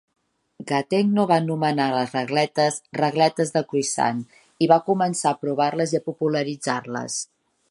Gattegno va nomena a les regletes "regletes de Cuisenaire" i va començar a provar-les i a popularitzar-les.